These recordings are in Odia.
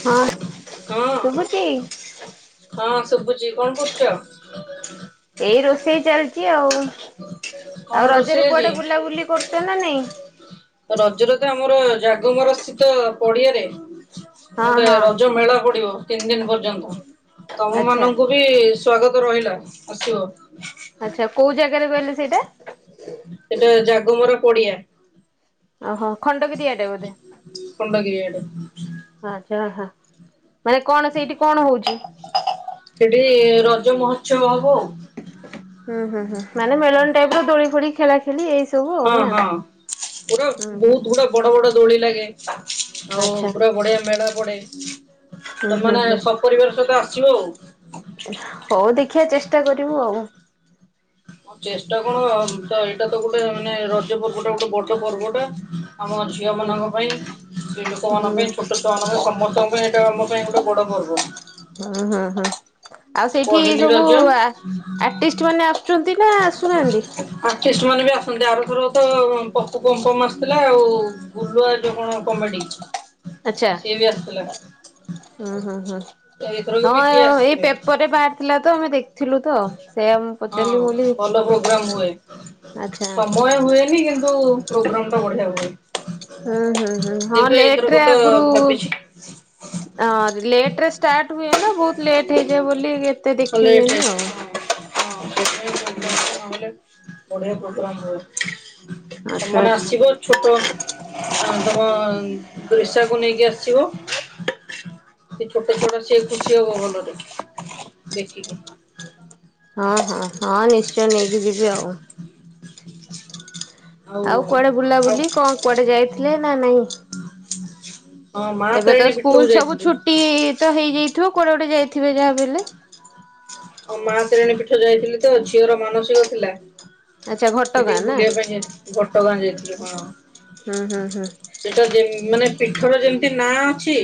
ହଁ ହଁ ଶୁଭୁଛି ହ ଶୁଭୁଛି କଣ କରୁଛ? ଏଇ ରୋଷେଇ ଚାଲିଛି ଆଉ। କଣ ଆଉ ରୋଷେଇ ରଜରେ ଆଜି? କୁଆଡେ ବୁଲାବୁଲି କରୁଛ ନା ନାଇଁ। ରଜରେ ତ ଆମର ଜାଗମର ସ୍ଥିତ ପଡିଆରେ ହଁ ଗଟେ ହଁ ରଜ ମେଳା ପଡିବ। ତିନି ଦିନ ପର୍ଯ୍ୟନ୍ତ। ତମ ଆଚ୍ଛା ମାନଙ୍କୁ ବି। ସ୍ଵାଗତ ରହିଲା ଆସିଵ। ଆଚ୍ଛା କୋଉ ଜାଗା କେତେ କହିଲି ସେଇଟା। ସେଟା ଜାଗ ମୋର କୋଡିଆ। ଓହୋ ଖଣ୍ଡ କି ଦତିଆଟେ ବୋଧେ। ଖଣ୍ଡଗିରି ଆଡେ ଆ୍ଛହ ମାନେ କଣ ସେଇଠି କଣ ହଉଛି ସେଠି ରଜ ମହୋତ୍ସବ ହବ ଆଉ। ହୁଁ ହୁଁ ହୁଁଁ। ମାନେଲନ ଟାଇପ ଦଳିଡ଼ି ଫଡ଼ି ଖେ ଖ ହଁ ହଁ ଗୋଟେ ହୁଁ ବହୁତ ଗୁଡା ବଡ ବଡ ଦୋଳି ଲାଗେ। ଆଉ ଆଚ୍ଛା ପୁର ବଡଆ ମେଳ ପଡ଼େ। ହୁଁ ହୁଁ ହୁଁ ତମାନୋନେ ସପରିବାର ସହିତ ଆସ ଯଉ। ହଉ ଦେଖିବା ଚେଷ୍ଟା ଚଷ୍ଟତା କରିବୁ ଆଉ ହଁ ଚେଷ୍ଟା କଣ ତ ଏଇଟା ତ ଗୋଟେ ମାନେ ରଜ ପର୍ବଟା ଗୋଟେ ବଡ ପର୍ବ ଟା ଆମ ଝିଅମାନାନଙ୍କ ପାଇଁ ସ୍ତ୍ରୀ ଲୋକମାନଙ୍କ ହୁଁ ପାଇଁ ଛୋଟ ଛୁଆମାନଙ୍କ ପାଇଁ ସମସ୍ତଙ୍କ ପାଇଁ ଏଇଟା ଆମ ପାଇଁ ବଡ଼ କରିବ ହ ହ ହଁ। ଆଉ ସେଇଠି ପହିଲି ସବୁ ରଜ ଆର୍ଟିଷ୍ଟ ମାନେ ଆସୁଛନ୍ତି ନା ଆସୁନାହାନ୍ତି। ମ ମାନେ ବି ଆସନ୍ତି ଆଉଥରେ ତ ପପୁ ପଂ ପମ୍ ଆସିଥିଲା ଆଉ ଗୁଲୁଆ ଯୋଉ କଣ କମେଡି ଆଛା ସିଏ ବି ଆସିଥିଲା। ହୁଁ ହୁଁ ହୁଁ ଏଇଥରକ ବି ହଁ କିଏ ଏଇ ଆସିବେ ପେପର ରେ ବାହାରି ଥିଲା ତ ଆମେ ଦେଖିଥିଲୁ। ତ ସେଆ ମୁଁ ହଁ ପଚାରିଲି ମୁଁ ଭଲ ପ୍ରୋଗ୍ରାମ କହିଲି। ହୁଏ। ଆଚ୍ଛା ଆଚ୍ଛା ସମୟ ହୁଏନି କିନ୍ତୁ ଉ ପ୍ରୋଗ୍ରାମ ଟା ବଢିଆ ହୁଏ। ହୁଁ ହୁଁ ହୁଁ ହଁ ଦେଖିବା ଲେଟ ଏଇଥରକ ରେ ତ ଆଗରୁ ଭାବିଛି ଲେଟ ରେ ଷ୍ଟାର୍ଟ ହୁଏ ନା ବହୁତ। ଲେଟ୍ ହେଇଯାଏ ବୋଲି ଏତେ ଦେଖି ଲେଟ୍ ହେଇଯିବ ହୁଏନି ଆଉ ବଢିଆ ପ୍ରୋଗ୍ରାମ ହୁଏ ତମ ଆଚ୍ଛା ମାନେ ଆଚ୍ଛା ଆସିବ ଛୋଟ ଆ ତମ ରୋସାକୁ ନେଇକି ଆସିବ ସେ ଛୋଟ ଛୋଟ ସେଆକୁ ଝିଅବ ବା ଭଲ ଦେଖେ ଦେଖିକିନି ହଁ ହଁ ହଁ ନିଶ୍ଚୟ ନେଇକି ଯିବି ଆଉ ଆଉ କୁଆଡେ ବୁଲା ଆଉ ବୁଲି କଣ କୁଆଡେ ଯାଇଥିଲେ ନା ନାଇଁ ହଁ। ମା ଏବେ ତ ତାରିଣୀ ସ୍କୁଲ ପୀଠକୁ ସବୁ ଯାଇଥିଲି ଛୁଟି ତ ହେଇଯାଇଥିବ କୁଆଡେ ଗୋଟେ ଯାଇ ଥିବେ ଯାହା ବି ହେଲେ। ଆଉ ମା ତାରିଣୀ ପୀଠ ଯାଇଥିଲି ତ ଝିଅର ମାନସିକ ଥିଲା। ଆଚ୍ଛା ଘଟଗାଁ ସେଠିକି ନା ବୁଲିବା ପାଇଁ ଯାଇ ଘଟଗାଁ ଯାଇଥିଲି କଣ ହୁଁ ହୁଁ ହୁଁ ସେଟା ଯେ ମାନେ ପୀଠର ଯେମିତି ନାଁ ଅଛି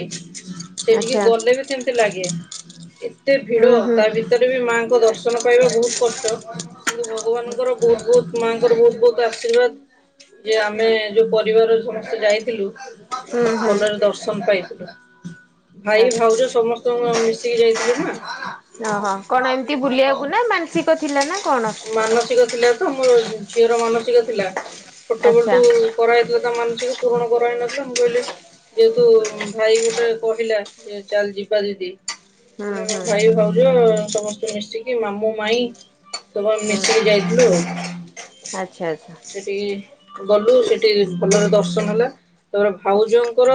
ସେଠିକେ ଆଚ୍ଛା ଗଲେ ବି ସେମିତି ଲାଗେ [inaudible] ଏତେ ଭିଡ଼ ହୁଁ ହୁଁ। ତା ଭିତ ମାଙ୍କ ଦର୍ଶନ ପାଇବା ବହୁତ କଷ୍ଟ। କିନ୍ତୁ ଭଗବାନଙ୍କର ବହୁତ ବହୁତ ମାଆଙ୍କର ବହୁତ ବହୁତ ଓ ଆଶୀର୍ବାଦ ଯେ ଆମେ ଯୋଉ ପରିବାରର ସମସ୍ତେ ଯାଇଥିଲୁ ହୁଁ ହୁଁ ଭଲରେ ଦର୍ଶନ ପାଇଥିଲୁ। ହ [inaudible] ଭାଇ ଭାଉଜ ସମସ୍ତଙ୍କୁ ଆଉ ମିଶ ଶିକି ଯାଇଥିଲୁ ନା ଓ ହୋ। କଣ ଏମିତି ବୁଲିବାକୁ ନା ମାନସିକ ଥିଲା ନା କଣ? ମୋ ଝି-ଝିଅର ମାନସିକ ଥିଲା। ଛୋଟ ଆଚ୍ଛା ବଳଠୁ କରାହେଇଥିଲା ତା ମାନସିକ। ପୂରଣ କରାହେଇ ନଥିଲା, ମୁଁ କହିଲି ଯେହେତୁ ଭାଇ ଗୋଟେ କହିଲା ଯେ ଚାଲ ଯିବା ଦିଦି ହୁଁ ତୁମେ ମୋ ହୁଁ ଭାଇ ଭାଉଜ ସମସ୍ତେ ମିଶିକି ମାମୁ ମାଇଁ ତବ ଆମେ ହୁଁ ମିଶିକି ଯାଇଥିଲୁ ଆଉ। ଆଚ୍ଛା ଆଚ୍ଛା। ସେଠିକି ଗଲୁ ସେଟି ଭଲରେ ଦର୍ଶନ ହେଲା। ତୋର ଭାଉଜଙ୍କର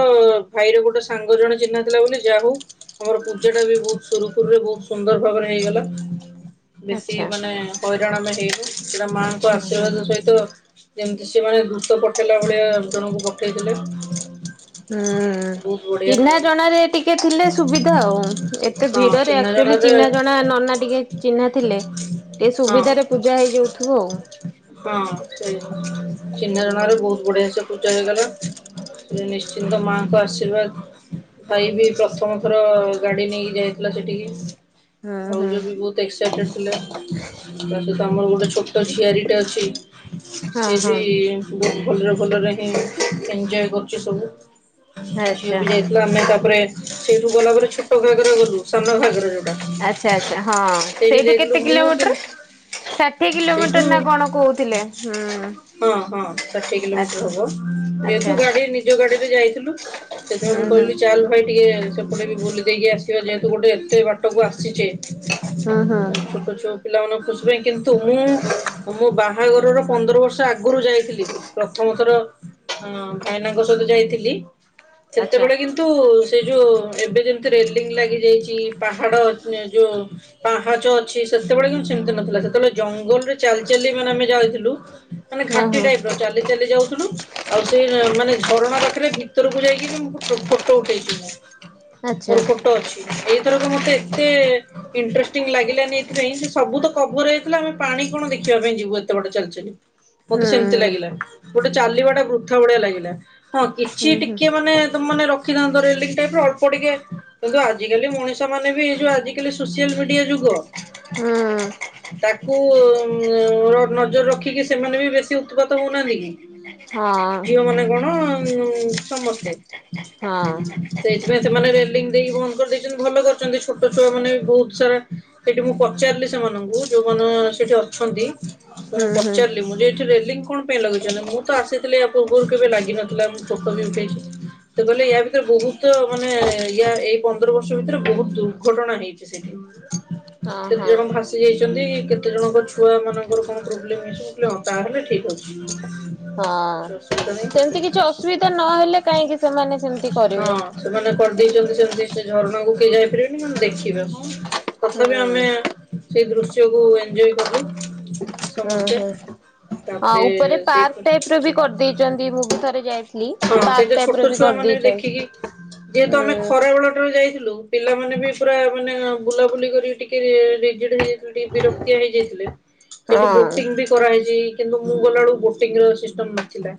ଭାଇର ଗୋଟେ ସାଙ୍ଗ ଜଣେ ଚିହ୍ନା ଥିଲା ବୋଲି, ଯାହା ହଉ ଆମର ପୂଜା ଟା ବି ବହୁତ ସୁରୁଖୁରୁ ରେ ବହୁତ ସୁନ୍ଦର ଭାବରେ ହେଇଗଲା। ବେଶୀ ଆଚ୍ଛା ମାନେ ହଇରାଣ ଆମେ ହେଇନୁ। ସେଟା ମାଆଙ୍କ ହୁଁ ହୁଁ ହୁଁ। ଆଶୀର୍ବାଦ ସହିତ ଯେମିତି ସେମାନେ ଦୃତ ପଠେଇଲା ଭଳିଆ ଜଣକୁ ପଠେଇଥିଲେ। ହୁଁ ବହୁତ ବଢିଆ ଚିହ୍ନା ଜଣାରେ ଟିକେ ଥିଲେ ସୁବିଧା ଆଉ, ଏତେ ହଁ ଭିଡରେ ଚିହ୍ନା ଆକ୍ଚୁଲି ଜଣାରେ ଚିହ୍ନା ଜଣା ଏ ନନା ଟିକେ ଚିହ୍ନା ଥିଲେ ଟିକେ ହଁ ସୁବିଧାରେ ପୂଜା ହେଇଯାଉଥୁବ। ହଁ ସେଇ ଚିହ୍ନା ଜଣାରେ ବହୁତ ବଢିଆ ସେ ପୁଜା ଜାଗାର ସେ ନିଶ୍ଚିନ୍ତ ମାଙ୍କ ଆଶୀର୍ବାଦ ପାଇ ବି ପ୍ରଥମଥର ଗାଡି ନେଇକି ଯାଇଥିଲା ସେଠିକି। ହୁଁ। ଭାଉଜ ବି ବହୁତ ଏକ୍ସାଇଟେଡ୍ ଥିଲେ ତା ସହିତ ଆମର ଗୋଟେ ଛୋଟ ଝିଆରି ଟେ ଅଛି। ହଁ ସେ ହଁ ବିି ବହୁ ଭଲରେ ଭଲରେ ଏଞଜୟ କରୁଚୁ ସବୁ। ଝିଅ ଆଚ୍ଛା ବି ଯାଇଥିଲା ଆମେ ତାପରେ ସେଇଠୁ ଗଲା ପରେ ଛୋଟ ଘାଗରା ଗଲୁ ସାନ ଘାଗରାରେ। [unintelligible] ଆଛା ଆଚ୍ଛା ହଁ ସେଇଠୁ କେତେ କିଲୋମିଟର କିନ୍ତୁ ଷାଠିଏ କିଲୋମିଟର ନା ସେଇଠୁ କଣ କହୁଥିଲେ ହଁ ହଁ ହଁ ଷାଠିଏ ଆଛା ଆଛା ରେ ଯାଇଥିଲୁ ସେଥିରେ ମୁଁ କହିଲି ଚାଲ ଭାଇ ଟିକେ ମୁଁ କହିଲି ବୁଲି ଦେଇକି ଆସିବା ଯେହେତୁ ଗୋଟେ ଏତେ ବାଟକୁ ଆସିଛେ ଆ ଛୋଟ ଛୋ ପିଲାମାନଙ୍କୁ ସେଥିପାଇଁ କିନ୍ତୁ ମୁଁ ମୋ ବାହାଘରର ପନ୍ଦର ବର୍ଷ ଆଗରୁ ଯାଇଥିଲି ପ୍ରଥମଥର ଭାଇନାଙ୍କ ସହିତ ଯାଇଥିଲି। ସେତେବେଳେ କିନ୍ତୁ ସେ ଯୋଉ। ଏବେ ଯେମିତି ରେଲିଙ୍ଗ ଲାଗି ଯାଇଛି ପାହାଡ। ଯୋଉ ପାହାଚ ଅଛି ସେତେବେଳେ କିନ୍ତୁ ସେମିତି ନଥିଲା ସେତେବେଳେ ଜଙ୍ଗଲରେ ଚାଲି ଚାଲି ମାନେ ଆମେ ଯାଇଥିଲୁ। ମାନେ ଘାଟଟି ଟାଇପ ରଚାର। ଲି ଚାଲି ଯାଉଥିଲୁ ଆଉ ସେଇ ମାନେ ଝରଣା ପାଖରେ ଭିତରକୁ ଯାଇକି ବି ମୁଁ ଫୋଟୋ ଉଠେଇଥିଲ। ମୋର ଫଟୋ ଅଛି ଏଇ। ସେଥରକୁ ମତେ ଏତେ। ଇନ୍ତ୍ରେଷ୍ଟିଙ୍ଗ ଲାଗିଲାନି ଏଥିପାଇଁ ସେ ସବୁ ତ କଭର ହେଇଥିଲା ଆମେ ପାଣି କଣ ଦେଖିବା ପାଇଁ ଯିବୁ ଏତେ ବଟ ଚାଲିଚ ମତେ ସେମତି ଲାଗିଲା ଗୋଟେ ଚାଲିବା ଟା ବୃଥା ଭଡିଆ ଲାଗିଲା ହଁ କିଛି ଟିକେ ମାନେ ତାନେ ରଖିଥାନ୍ତ ଅଳ୍ପ ଟିକେ କିନ୍ତୁ ଆଜିକାଲି ମଣିଷ ମାନେ ବି ଏ ଯୋଉ। ସୋସିଆଲ ମିଡିଆ ଯୁଗ ତାକୁ ର ନଜର ରଖିକି ସେମାନେ ବି ବେଶୀ ଉତ୍ପାତ ହଉନାହାନ୍ତି କି। ଝିଅ ମାନେ ହଁ। କଣ ସମସ୍ତେ ହଁ ସେଇଥିପାଇ ସେମାନେ ଲି ଦେଇ ବନ୍ଦ କରିଦେଇଛନ୍ତି ଭଲ କରିଛନ୍ତି ଛୋଟ। ଛୁଆ ମାନେ ବି ବହୁତ ସାରା ସେଠି ମୁଁ ପଚାରିଲି ସେମାନଙ୍କୁ ଯୋଉମାନେ ସେଠି ଅଛନ୍ତି। ତ ମୁ ହୁଁ ହୁଁ ପଚାରଲି ମୁଁ ଏଥିିରେ। କଣ ପାଇଁ ଲଗେଇଛନ୍ତି ମୁଁ ତ ଆସିି ୟ ପୂର୍ବରୁ କେବେ ଲାଗିିନଥିଲା ମୁଁ ପୋକ ବି ଉଠେଇଛି ତ କହିଲେ ୟା ଭିତରେ ବହୁତ ମାନେ ୟା ଏଇ ପନ୍ଦର ବର୍ଷ ଭିତରେ ବହୁତ ଦୂର। ଘଟଣା ହେଇଛି ସେଠି ହଁ କେତେ ହଁ ଜଣ ଭାସି ଯାଇଛନ୍ତି କେତେ ଜଣଙ୍କ ଛୁଆ ମାନଙ୍କର କଣ ପ୍ରୋବ୍ଲେମ ହେଇଛି ବୋଲି ହଁ ତାହେଲେ ଠିକ ଅଛି। କିଛି ହଁ ଅସୁବିଧା ନାହିଁ ସେମିତି କିଛି ଅସୁବିଧା ନହେଲେ କାହିଁକି ସେମାନେ ସେମିତି କରିବେ। ଦେଇଛନ୍ତି ସେମିତି ସେ ଝରଣା କୁ କେଏ ଯାଇପାରିବେ। ମନେ ଦେଖିବେ ହଁ। ହୁଁ ତଥାପି ଆମେ। ସେଇ ଦୃଶ୍ୟକୁୁ ଇନଜ୍ଞ କଲୁ। ହୁଁ ସମସ୍ତେ। ହୁଁଉ ତାପରେ ଉପରେ ସେଇ ପାର୍କ ଟାଇପ ର ବି କରିଦେଇଛନ୍ତି ମୁଁ ବି ଥରେ ଯାଇଥିଲି ହଁ ପାର୍କ ସେଇଟା ଟାଇପ ଛୋଟ ର ବି ଛୁଆ ମାନେ ଦେଖିକି କରିଦେଇଛନ୍ତି ହଁ। ପିଲା ପୁଲି। ମାନେ ବି ପୁରା ମାନେ ବୁଲାବୁଲି କରି ଟିକେଡ ହେଇଯାଇଥିଲେ ଟିକେ ବିରକ୍ତିଆ ହେଇଯାଇଥିଲେ। ସେଠି ବୋଟିଂ ହଁ ବି କରାହେଇଛି। କିନ୍ତୁ ମୁଁ ଗଲା ବଳୁ ବୋଟିଂ ର ସିଷ୍ଟମ ନଥିଲା।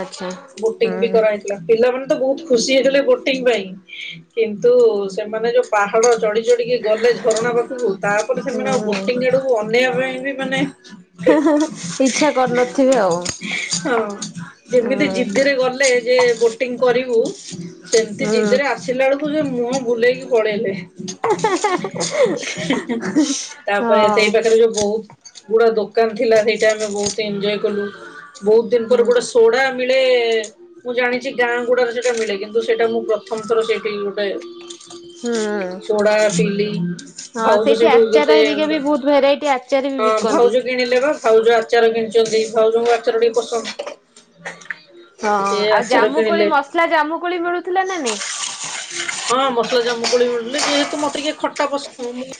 ଆଚ୍ଛା ବୋଟିଙ୍ଗ୍ ବି କରା ହୁଁ ହେଇଥିଲା ପିଲାମାନ୍ ତ ବହୁତ ଖୁସି ହେଇଥିଲେ ବୋଟିଂ ପାଇଁ କିନ୍ତୁ। ସେମାନେ ଯୋଉ ପାହାଡ ଚଢି ଚଢିକି ଗଲେ ଝରଣା ପାଖରୁ। ତାପରେ ସେମାନେ ଆଉ ହୁଁ ବୋଟିଂ ଆଡକୁ ଅନେଇବା ପାଇଁ [unintelligible] ମାନେ ହେଁ ହେଁ ହେଁ ଇଚ୍ଛା କରିନଥିବ ଆଉ ହଁ ଯେମିତି ହୁଁ ଜିଦିରେ ଗଲେ ଯେ ବୋଟିଂ କରିବୁ ସେମିତି ହୁଁ ଜିଦ୍ଦିରେ ଆସିଲା ବେଳକୁ [unintelligible] ବୁଲେଇକି ପଳେଇଲେ। ହେଁ ହେଁ ତାପରେ ହଁ ସେଇ ପାଖରେ ଯୋଉ ବହୁତ୍। ଗୁଡ ଦୋକାନ ଥିଲା ସେଇଟା ଆମେ ବହୁତ ଏଞ୍ଜୟ କଲୁ। ବହୁତ ଦିନ ପରେ ହୁଁ ଗୋଟେ ସୋଡା ମିଳେଏଏ ମୁଁ ଜାଣିଛି ଗାଁ ଗୁଡରେ ସେଟା ମିଳେ କିନ୍ତୁ ସେଇଟା ମୁଁ ପ୍ରଥମ ଥର ସେଇଠି ଗୋଟେ ହୁଁ। ସୋଡା ସିଲି। ହଁ ଭାଉଜ ସେଇଠି ସେଇଠୁ ଆଚାର କେତେ ହେରିକା ବି ବହୁତ ଭେରାଇଟି ଆଚାର ବି [unintelligible] ହଁ ବିକନ୍ତି। ଭାଉଜ କିଣିଲେ ବା ଭାଉଜା [unintelligible] [unintelligible] ଭାଉଜଙ୍କୁ ଆଚାର ଟିକେ ପସନ୍ଦ। [unintelligible] ହଁ ସେ ଆଉ ଆଚାର ଜାମୁକୋଳି କିଣିଲେ ମସଲା ଜାମୁକୋଳି ମିଳୁଥିଲା ନା ନାଇଁ? ହଁ ମସଲା ଜାମୁକୋଳି ମିଳୁଥିଲା ଯେହେତୁ ମତେ ଟିକେ ଖଟା ପସନ୍ଦ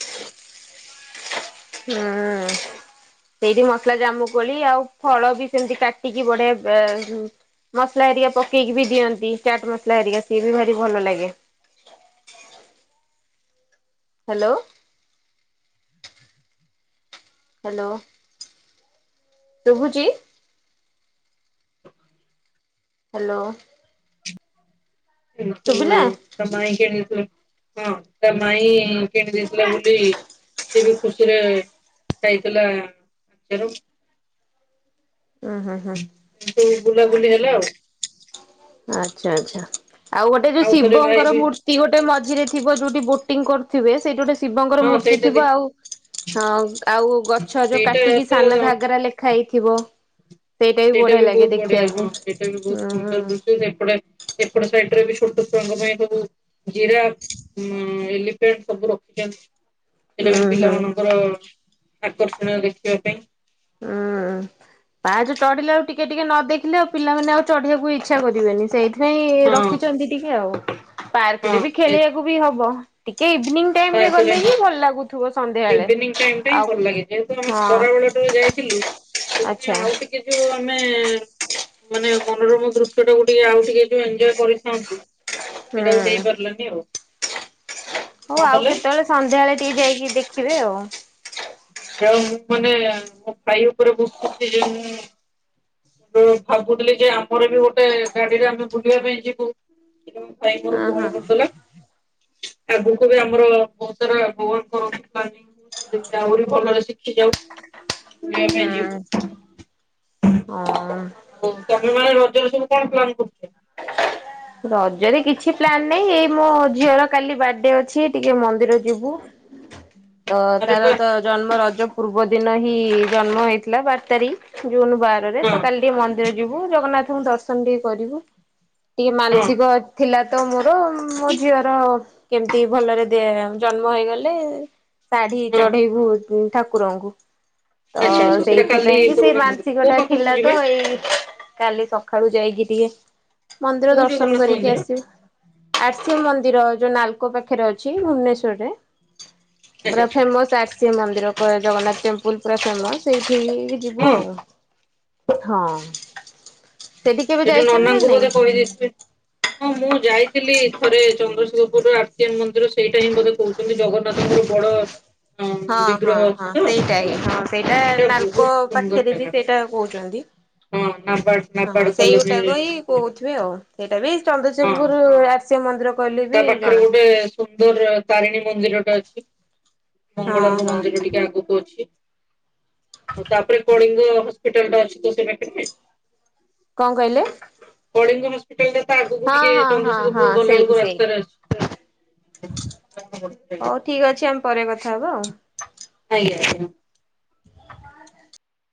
ହୁଁଉଉ ସେଇଠି ମସଲା ଜାମୁକୋଳି ଆଉ ଫଳ ବି ସେମିତି କାଟିକି ବଢିଆ [inaudible] ମସଲା ହେରିକା ପକେଇକି ବି ଦିଅନ୍ତି ଚାଟ ମସଲା ହେରିକା ସିଏ ବି ଭାରି ଭଲ ଲାଗେ। Hello hello. ଶୁଭୁଛି? ହ୍ୟାଲୋ। [unintelligible] ଶୁଭିଲା? ହଁ ତା ମାଇଁ କିଣି ଦେଇଥିଲା ବୋଲି ସେ ବି ଖୁସିରେ ଖାଇଥିଲା ସେଉ। ଉଁ ହୁଁ ହୁଁ। କିନ୍ତୁ ବୁଲାବୁଲି ହେଲା ଆଉ। ଆଚ୍ଛା ଆଚ୍ଛା। ଆଉ ଗୋଟେ ଯୋଉ ଥରେ ଭାଇ ଶିବଙ୍କର ବି ମୂର୍ତ୍ତି ଗୋଟେ ମଝିରେ ଥିବ ଯୋଉଠି ବୋଟିଙ୍ଗ୍ କରୁ ଥିବେ ସେଇଠି ଗୋଟେ। ଶିବଙ୍କର ହଁ ମୂର୍ତ୍ତି ସେଇଟା ଥିବ, ଦେଖି ଆଉ ହଁ ଆଉ ଗଛ ଯୋଉ ସେଇଟା କାଟିକି ସାନ ତ ଘାଗରା ଲେଖା ହେଇ ଥିବ। ସେଇଟା ବି ବହୁତ ବଢିଆ ହୁଁ ସେଇଟା ବି ବହୁତ ସୁନ୍ଦର ଦୃଶ୍ୟ ଯେ [inaudible] ଏପଟ ସାଇଡରେ ବି ଛୋଟ ଛୁଆଙ୍କ ପାଇଁ ସବୁ ଜିରାଫ୍, ଉଁ ଉଁ ଏଲିଫ୍ୟାଣ୍ଟ୍ ସବୁ ରଖିଛନ୍ତି। ସେଇଟା ବି ହୁଁ ହୁଁ। ପିଲାମାନଙ୍କର ଆକର୍ଷଣୀୟ ଦେଖିବା ପାଇଁ। ହୁଁ ପାଜ ଚଢିଲେ ଆଉ ଟିକେ ଟିକେ ନ ଦେଖିଲେ ଆଉ ପିଲାମାନେ ଆଉ ଚଢିବାକୁ ଇଚ୍ଛା କରିବେନି। ସେଇ ପାଇଁ ହଁ ରଖିଛନ୍ତି ଟିକେ ଆଉ। [inaudible] ହଁ ପାର୍କରେ ବି ଖେଳିବାକୁ ବି ସେଇଥିପାଇଁ ହବ। ଟିକେ ଇଭିନିଂ ଟାଇମରେ ଗଲେ ତାପରେ ହଁ ହିଁ ଭଲ ଲାଗୁଥିବ ସନ୍ଧ୍ୟାବେଳେ। ଇଭିନିଂ ଟାଇମ୍ ଟା ହିଁ ଆଉ ଭଲ ଲାଗେ। ଯେହେତୁ ଆମେ ହଁ ଖରାବେଳ ଟୁ ଯାଇ ହ୍ୟାଲୁ ସେଥିପାଇଁ ଆଚ୍ଛା। ଆଉ ଟିକେ ଯୋଉ ଆମେ ମାନେ ମନୋରମ ଦୃଶ୍ୟ ଟାକୁ ଟିକେ ଆଉ ଟିକେ ଏନଜୟ କରିଥାନ୍ତୁ। ସେଇଟା ହୁଁ ହେଇପାରିଲନି ଆଉ ହଉ ଆଉ ନହେଲେ କେତେବେଳେ ସନ୍ଧ୍ୟାବେଳେ ଟିକେ ଯାଇକି ଦେଖିବେ ଆଉ ଯଉ ମୁଁ ମାନେ ମୋ ଭାଇ ଉପରେ ବୁଝୁଥିଲ ଯେ ମୁଁ ଭାବୁଥିଲି ଯେ ଆମର ବି ଗୋଟେ ଗାଡିରେ ଆମେ ବୁଲିବା ପାଇଁ ଯିବୁ ଭାଇ ମୋର ହଁ କଣ ହଁ। କରୁଥିଲା? ଆଗକୁ ବି ଆମର ବହୁତ ସାରା କର ଆହୁରି ଭଲରେ ଶିଖି ଯାଉ ବୁଲିବା ପାଇଁ ଯିବୁ। ହୁଁ ହଁ। ଆଉ ତମେ ମାନେ ରଜ ରେ ସବୁ କଣ ପ୍ଲାନ କରୁଛ? ରଜରେ କିଛି ପ୍ଲାନ ନହିଁ ଏଇ ମୋ ଝିଅର କାଲି ବାର୍ଥଡେ ଅଛି ଟିକେ ମନ୍ଦିର ଯିବୁ। ତ ଆରେ ତାର ବା ତ ଜନ୍ମ ରଜ ପୂର୍ବ ଦିନ ହିଁ ଜନ୍ମ ହେଇଥିଲା ବାର ତାରିଖ ଜୁନ ବାରରେ ହଁ ତ କାଲି ଟିକେ ମନ୍ଦିର ଯିବୁ ଜଗନ୍ନାଥ ତୁ ଦର୍ଶନ ଟିକେ କରିବୁ ଟିକେ ହଁ ମାନସିକ ଥିଲା। ତମ ଆ ମୋ ଝିଅର କେମିତି ଭଲରେ ଜନ୍ମ ହେଇଗଲେ ଶାଢୀ ହଁ। ଚଢ଼େଇ ବୁତ ଠାକୁରଙ୍କୁ ତ ଆଚ୍ଛା ଆଚ୍ଛା ସେଇଟା କାଲି ସେଇଥିପାଇଁ କି ସେଇ ପୁରୁଣା ମାନସିକ କୋଉ ଟା ପାଖକୁ ଥିଲା ଯିବେ ତ ଏଇ କାଲି ପ ଖଡୁ ଯାଇଗି ଟିକଏ ମନ୍ଦିର କୋଉ ଦର୍ଶନ ଜଗନ୍ନାଥ କରିକି ମନ୍ଦିର? ଆସିବୁ ଆ ମି ମନ୍ଦିର ଯୋଉ ନାଲକୋ ପାଖରେ ଅଛି ଭୁବନେଶ୍ଵରରେ ଆଚ୍ଛା ବୁର ଆଚ୍ଛା ଫେମସ ଆ ସେ ମନ୍ଦିର ଜଗନ୍ନାଥ ଟେମ୍ପୁଲ ପୁରା ଫେମସ ସେଇଠି କିଏ ଯିବୁ ହଁ। ଆଉ ହଁ ସେଠି କେବେ ସେଠୁ ଯାଇଛନ୍ତି ନା ନନାଙ୍କୁ ନାଇଁ? ବୋଧେ କହିଦେଇଥିବେ। ହଁ ମୁଁ ଯାଇଥିଲି ଥରେ ଚନ୍ଦ୍ରଶେଖର ୁର ଆର୍ତିଆ ମନ୍ଦିର ସେଇଟା ହିଁ ବୋେ କହୁଛନ୍ତି ଜଗନ୍ନାଥଙ୍କର ବଡ ହଁ ହଁ ବିଗ୍ରହ ଅଛି ହଁ ତ ସେଇଟା ହିଁ ହଁ ସେଇଟା ନାଲକୋ ବହୁତ ସୁନ୍ଦର ପାଖରେ ବି ସେଇଟା କହୁଛନ୍ତି। ଆଁ ହଁ ସେଇଗୁଟା କ କହୁଥିବେ ଆଉ ସେଇଟା ବି ହଁ। ଚନ୍ଦ୍ରଚଖପୁର ଆ ମନ୍ଦ୍ର ତା ପାଖରେ ଗୋଟେ ସୁନ୍ଦର ତାରିଣୀ ମନ୍ଦିରଟା ଅଛି ମଙ୍ଗଳାଙ୍କ ହଁ ହଁ। ମନ୍ଦିର ଟିକେ ଆଗକୁ ଅଛି ହ ତାପରେ କଳିଙ୍ଗ ହସ୍ପିଟାଲଟା ଅଛି ତ ସେ ପାଖରେ କଣ କହିଲେ କଳିଙ୍ଗ ହସ୍ପିଟାଲ ଟା ତା ଆଗକୁ ହଁ ଟିକେ ହଁ ହଁ ହଁ ଚନ୍ଦ୍ରଶେଖପୁର ସେଇଠି ଗଲାବେେଳକୁ ରାସ୍ତା ହଉ ଠିକ ଅଛି ଆମ ପରେ କଥା ହବା ଆଉ [inaudible]